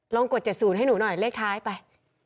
กด๗๐ให้หนูหน่อยเลขท้ายไป